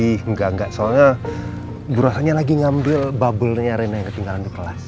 ih enggak enggak soalnya gue rasanya lagi ngambil bubble nya rena yang ketinggalan ke kelas